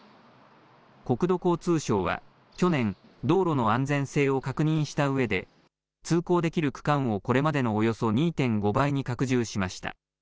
国土交通省は去年、道路の安全性を確認したうえで通行できる区間をこれまでのおよそ２．５倍に拡充しました。